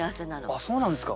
あっそうなんですか？